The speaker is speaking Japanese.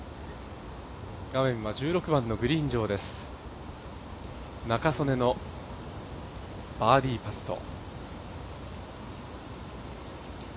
画面は１６番のグリーン上です、仲宗根のバーディーパット。